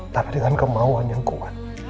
tapi dengan kemauan yang kuat